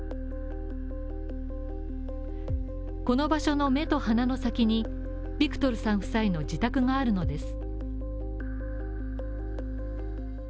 この場所の目と鼻の先にビクトルさん夫妻の自宅があるのです。